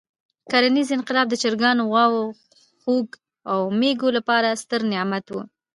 کرنیز انقلاب د چرګانو، غواوو، خوګ او مېږو لپاره ستر نعمت وو.